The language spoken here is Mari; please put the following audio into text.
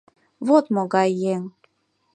Вот могай еҥ!